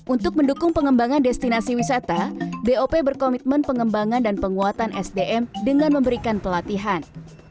untuk mendukung pengembangan destinasi wisata bop berkomitmen pengembangan dan penguatan sdm dengan memberikan pelatihan